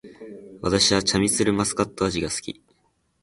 私はチャミスルマスカット味が好き